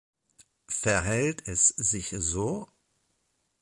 Verhält es sich so?